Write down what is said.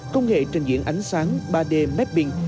công nghệ trình diễn ánh sáng ba d mapping